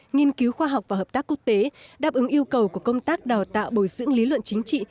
nghiên cứu khoa học và hợp tác quốc tế đáp ứng yêu cầu của công tác đào tạo bồi dưỡng lý luận chính trị